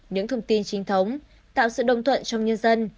những thông tin chính thống tạo sự đồng thuận trong nhân dân